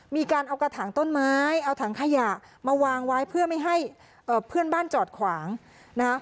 มีการเอากระถางต้นไม้เอาถังขยะมาวางไว้เพื่อไม่ให้เพื่อนบ้านจอดขวางนะคะ